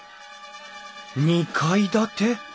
２階建て？